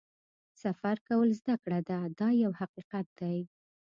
سفر کول زده کړه ده دا یو حقیقت دی.